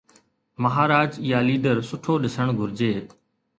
مهاراج يا ليڊر سٺو ڏسڻ گهرجي.